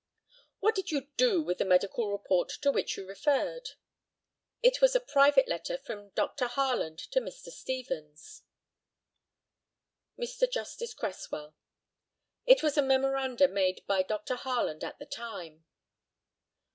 What did you do with the medical report to which you referred? It was a private letter from Dr. Harland to Mr. Stevens. Mr. Justice CRESSWELL: It was memoranda made by Dr. Harland at the time.